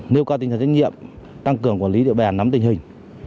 nêu cao tinh thần trách nhiệm tăng cường quản lý địa bàn nắm tình hình